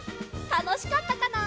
たのしかったかな？